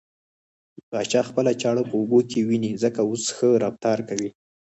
پاچا خپله چاړه په اوبو کې وينې ځکه اوس ښه رفتار کوي .